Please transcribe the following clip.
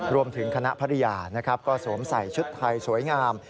รวมถึงคณะภรรยาสวมใส่ชุดไทยสวยงาม